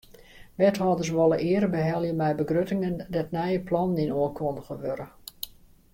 Wethâlders wolle eare behelje mei begruttingen dêr't nije plannen yn oankundige wurde.